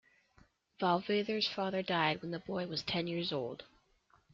Valvasor's father died when the boy was ten years old.